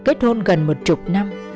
kết hôn gần một chục năm